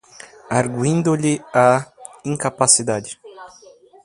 arguindo-lhe a incapacidade